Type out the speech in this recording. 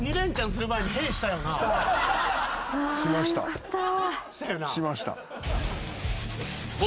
やったー！